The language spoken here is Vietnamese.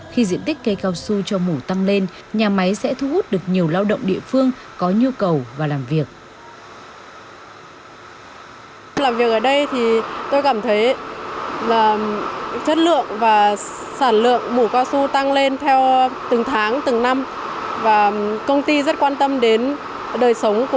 khi diện tích cây cao su cho mủ tăng lên nhà máy sẽ thu hút được nhiều lao động địa phương có nhu cầu vào làm việc